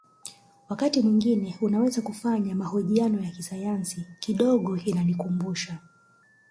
Wakati mwingine unaweza kufanya mahojiano ya kisayansi kidogo inanikumbusha